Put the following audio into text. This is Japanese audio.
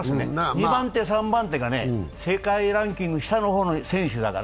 ２番手、３番手が世界ランキング下の方の選手だから。